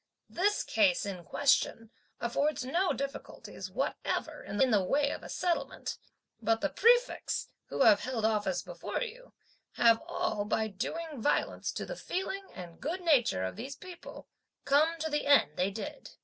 This case in question affords no difficulties whatever in the way of a settlement; but the prefects, who have held office before you, have all, by doing violence to the feelings and good name of these people, come to the end they did."